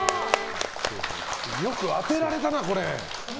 よく当てられたな。